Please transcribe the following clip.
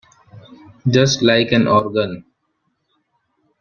Just like an organ.